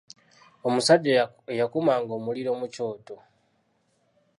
Omusajja eyakumanga omuliro ku kyoto.